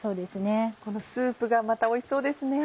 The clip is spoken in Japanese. このスープがまたおいしそうですね。